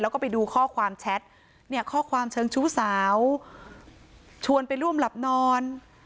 แล้วก็ไปดูข้อความแชทเนี่ยข้อความเชิงชู้สาวชวนไปร่วมหลับนอน